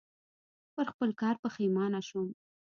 پر خپل کار پښېمانه شوم .